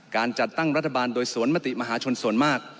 การจัดตั้งรัฐบาลโดยสวนมติมหาชนส่วนมาก